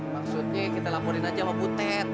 maksudnya kita laporin aja sama butet